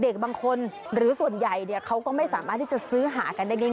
เด็กบางคนหรือส่วนใหญ่เขาก็ไม่สามารถที่จะซื้อหากันได้ง่าย